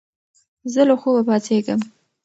زه له خوبه پاڅېږم.